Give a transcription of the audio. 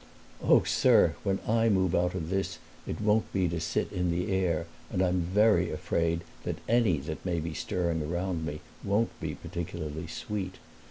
"Oh, sir, when I move out of this it won't be to sit in the air, and I'm afraid that any that may be stirring around me won't be particularly sweet!